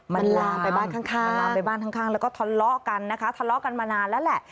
มันลามไปบ้านข้างแล้วก็ทะเลาะกันนะคะทะเลาะกันมานานแล้วแหละ